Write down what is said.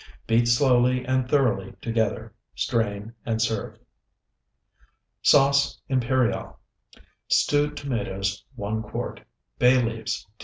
Beat slowly and thoroughly together. Strain, and serve. SAUCE IMPERIAL Stewed tomatoes, 1 quart. Bay leaves, 2.